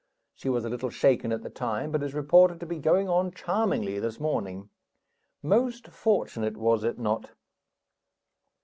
She was a little shaken at the time, but is reported to be going on charmingly this morning. Most fortunate, was it not?